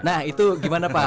nah itu gimana pak